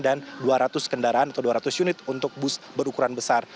dan dua ratus kendaraan atau dua ratus unit untuk bus berukuran besar